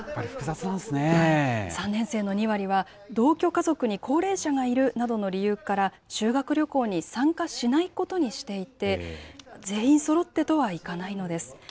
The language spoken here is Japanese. ３年生の２割は、同居家族に高齢者がいるなどの理由から、修学旅行に参加しないことにしていて、全員そろってとはいかないのです。